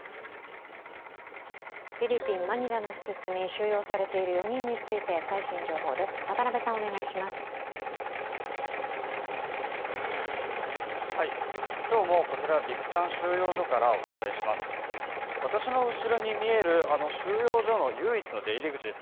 フィリピン・マニラの施設に収容されている４人について最新情報です。